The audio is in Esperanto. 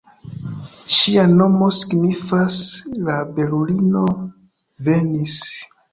Ŝia nomo signifas ""La belulino venis"".